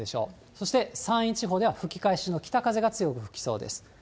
そして山陰地方では吹き返しの北風が強く吹きそうです。